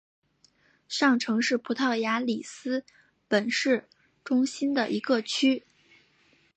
上城是葡萄牙里斯本市中心的一个区。